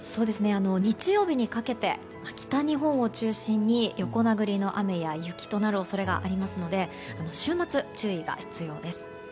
日曜日にかけて北日本を中心に横殴りの雨や雪となる恐れがありますので週末、注意が必要です。